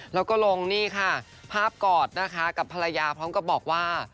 แล้วก็ลงนี่ค่ะภาพกอดนะคะกับภรรยาพร้อมกับบอกว่า